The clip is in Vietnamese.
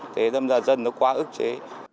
thế nên là dân nó quá ức chế